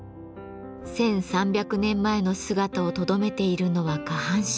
１，３００年前の姿をとどめているのは下半身。